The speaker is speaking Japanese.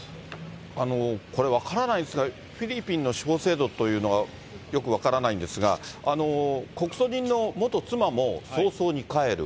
これ、分からないんですが、フィリピンの司法制度というのがよく分からないんですが、告訴人の元妻も、早々に帰る。